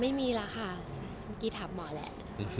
ไม่มีแล้วค่ะเมื่อกี้ถามหมอแล้ว